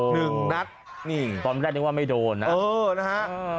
หนึ่งนัดนี่ตอนแรกนึกว่าไม่โดนนะเออนะฮะ